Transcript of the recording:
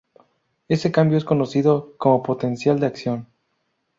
Ese cambio es conocido como potencial de acción.